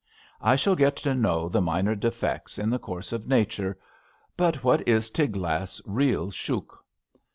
I shall get to know the minor defects in the course of nature; but what is Tiglath's real shouk?